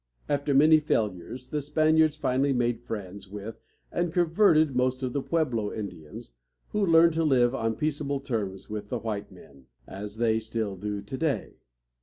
After many failures the Spaniards finally made friends with and converted most of the Pueb´lo Indians, who learned to live on peaceable terms with the white men, as they still do to day.